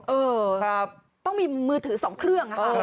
เออเออกต้องมีมือถือสองเครื่อง